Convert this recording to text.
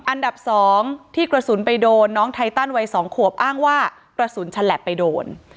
อันดับ๒ที่กระสุนไปโดนน้องไทตันวัย๒ขวบอ้างว่ากระสุนฉลับไปโดน